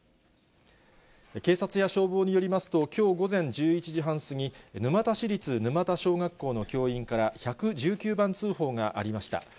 警察や消防によりますと、きょう午前１１時半過ぎ、沼田市立沼田小学校の教員から１１９番通報がありました。